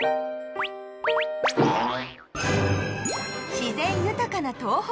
自然豊かな東北